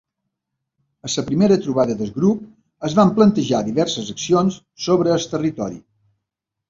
A la primera trobada del grup es van plantejar diverses accions sobre el territori.